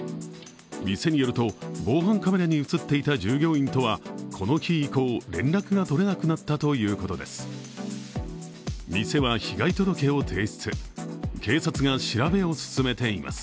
店によると、防犯カメラに映っていた従業員とは連絡が取れなくなったということです。